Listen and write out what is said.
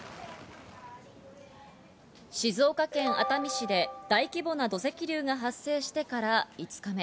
静岡県熱海市で大規模な土石流が発生してから５日目。